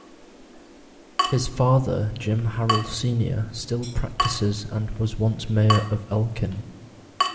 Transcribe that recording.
His father, Jim Harrell Senior still practices and was once mayor of Elkin.